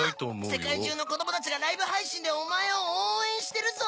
世界中の子供たちがライブ配信でお前を応援してるぞ！